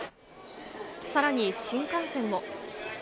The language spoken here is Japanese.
さらに新幹線も。